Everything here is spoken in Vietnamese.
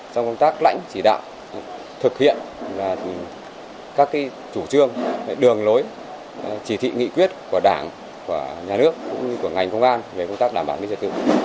trong công tác lãnh chỉ đạo thực hiện các chủ trương đường lối chỉ thị nghị quyết của đảng của nhà nước cũng như của ngành công an về công tác đảm bảo an ninh trật tự